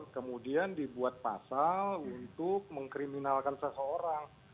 kemudian dibuat pasal untuk mengkriminalkan seseorang